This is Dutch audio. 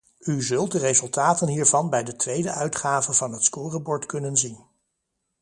U zult de resultaten hiervan bij de tweede uitgave van het scorebord kunnen zien.